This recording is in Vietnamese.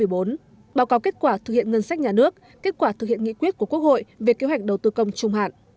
báo cáo kết quả thực hiện ngân sách nhà nước kết quả thực hiện nghị quyết của quốc hội về kế hoạch đầu tư công trung hạn